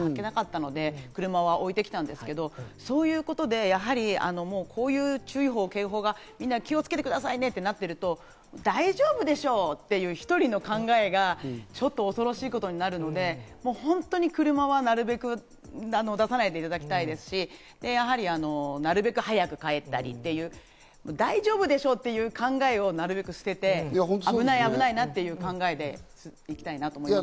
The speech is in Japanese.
なので車を置いてきたんですけど、そういうことで、やはり、こういう注意報・警報が出て、皆さん、気をつけてくださいねとなってると、大丈夫でしょっていう１人の考えがちょっと恐ろしいことになるので、本当に車はなるべく出さないでいただきたいですし、やはりなるべく早く帰ったり、大丈夫でしょという考えをなるべく捨てて、危ないなっていう考えでいきたいなと思います。